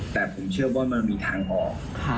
แต่ผมเชื่อว่ามันมีทางออก